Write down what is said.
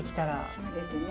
そうですね。